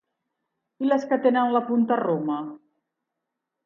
I les que tenen la punta roma?